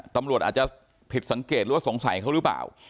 ตำรวจอาจจะผิดสังเกตหรือว่าสงสัยเขาหรือเปล่า